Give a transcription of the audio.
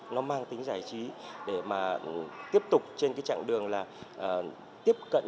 nó mang tính giải trí để mà tiếp tục trên cái chặng đường là tiếp cận